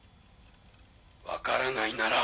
分からないなら。